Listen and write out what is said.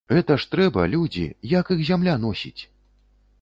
Гэта ж трэба, людзі, як іх зямля носіць?